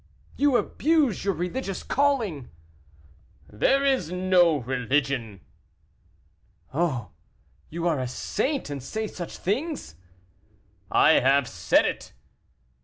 "You abuse your religious calling." "There is no religion." "Oh, you are a saint, and say such things!" "I have said it."